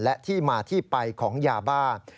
และที่มาที่ไปของยาบ้า